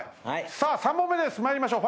さあ３問目です参りましょう。